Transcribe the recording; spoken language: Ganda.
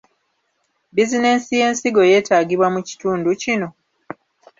Bizinensi y’ensigo yeetagibwa mu kitundu kino?